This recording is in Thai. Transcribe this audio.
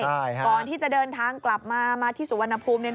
ก่อนที่จะเดินทางกลับมามาที่สุวรรณภูมิ